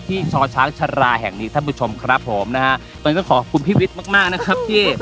ชอช้างชะลาแห่งนี้ท่านผู้ชมครับผมนะฮะตอนนี้ต้องขอบคุณพี่วิทย์มากมากนะครับที่